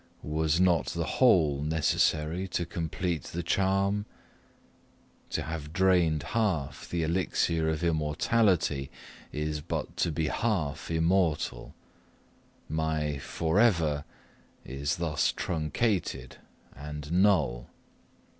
Was not the whole necessary to complete the charm? To have drained half the Elixir of Immortality is but to be half immortal my For ever is thus truncated and null.